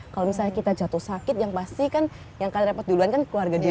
kalau misalnya kita jatuh sakit yang pasti kan yang kali repot duluan kan keluarga dia